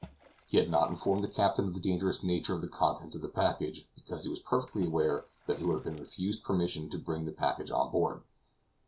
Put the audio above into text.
He had not informed the captain of the dangerous nature of the contents of the package, because he was perfectly aware that he would have been refused permission to bring the package on board.